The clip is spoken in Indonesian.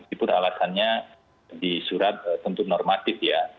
itu alasannya di surat tentu normatif ya